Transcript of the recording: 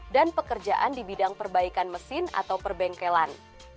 dan pekerjaan di bidang perbaikan mesin atau perbengkelan